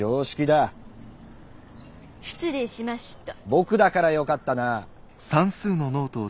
僕だから良かったな。